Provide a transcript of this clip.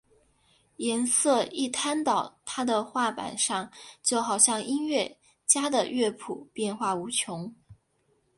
颜色一摊到他的画板上就好像音乐家的乐谱变化无穷！